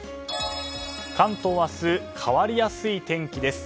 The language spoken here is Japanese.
関東は明日変わりやすい天気です。